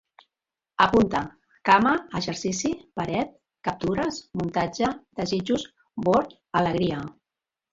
Apunta: cama, exercici, paret, captures, muntatge, desitjos, bord, alegria